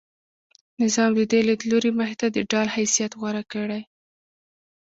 نظام د دې لیدلوري مخې ته د ډال حیثیت غوره کړی.